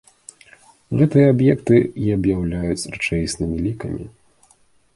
Гэтыя аб'екты і аб'яўляюць рэчаіснымі лікамі.